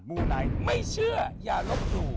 มูไนท์ไม่เชื่ออย่าลบหลู่